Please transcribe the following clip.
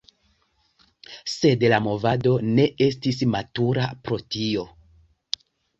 Sed la movado ne estis matura por tio.